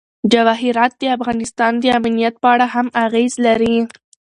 جواهرات د افغانستان د امنیت په اړه هم اغېز لري.